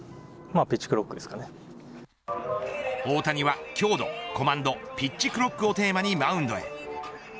大谷は強度、コマンドピッチクロックをテーマにマウンドへ。